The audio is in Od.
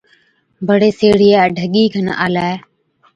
بڙي سيهڙِيئَي ڍڳِي کن آلَي،